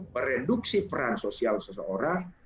mereduksi peran sosial seseorang